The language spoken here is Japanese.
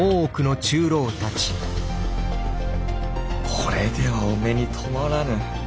コレではお目に留まらぬ！